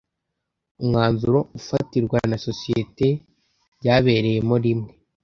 Umwanzuro ufatirwa na sosiyete byabereyemo rimwe